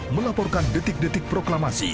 melaporkan detik detik proklamasi